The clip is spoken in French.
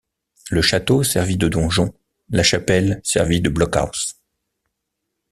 Le château servit de donjon, la chapelle servit de blockhaus.